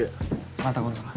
また今度な。